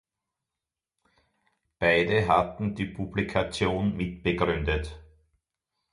Beide hatten die Publikation mitbegründet.